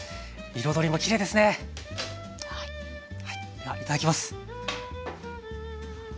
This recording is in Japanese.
ではいただきます。